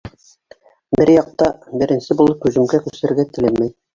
Бер яҡ та беренсе булып һөжүмгә күсергә теләмәй.